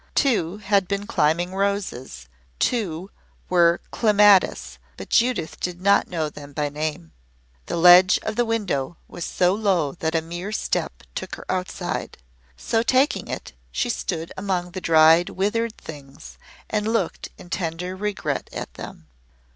Two had been climbing roses, two were clematis, but Judith did not know them by name. The ledge of the window was so low that a mere step took her outside. So taking it, she stood among the dried, withered things and looked in tender regret at them.